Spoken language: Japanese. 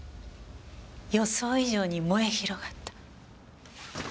予想以上に燃え広がった。